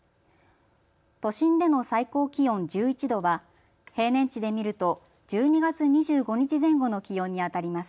都心での最高気温１１度は平年値で見ると１２月２５日前後の気温にあたります。